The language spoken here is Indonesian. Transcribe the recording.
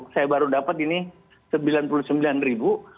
saya baru dapat ini sembilan puluh sembilan ribu